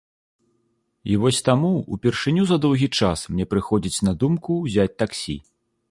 І вось таму ўпершыню за доўгі час мне прыходзіць на думку ўзяць таксі.